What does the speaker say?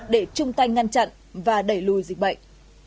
để chung tay ngăn chặn và đẩy lùi dịch bệnh